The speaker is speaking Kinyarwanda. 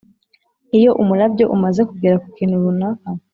Iyo umurabyo umaze kugera ku kintu runaka